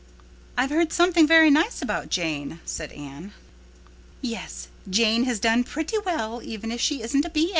"I've heard something very nice about Jane," said Anne. "Yes, Jane has done pretty well, even if she isn't a B.